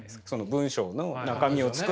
文章の中身を作って。